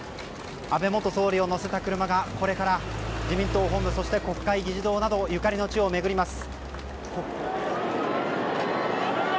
安倍元総理を乗せた車がこれから総理官邸そして、国会議事堂などゆかりの地を巡ります。